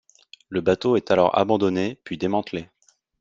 Le bateau est alors abandonné puis démantelé.